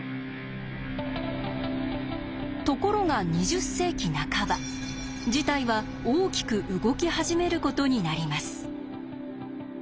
ところが２０世紀半ば事態は大きく動き始めることになります。